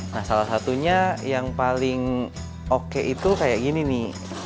nah salah satunya yang paling oke itu kayak gini nih